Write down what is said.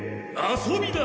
遊びだ！